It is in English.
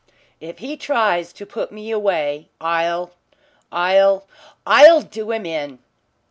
If he tries to put me away I'll I'll I'll do him in."